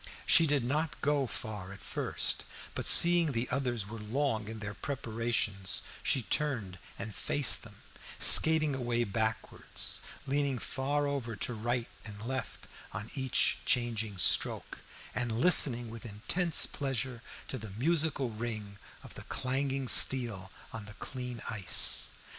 She did not go far at first, but seeing the others were long in their preparations, she turned and faced them, skating away backwards, leaning far over to right and left on each changing stroke, and listening with intense pleasure to the musical ring of the clanging steel on the clean ice.